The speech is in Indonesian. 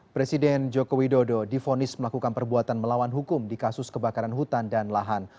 presiden joko widodo difonis melakukan perbuatan melawan hukum di kasus kebakaran hutan dan lahan